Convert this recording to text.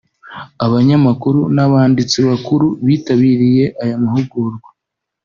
Abanyamakuru n’abanditsi bakuru bitabiriye aya mahugurwa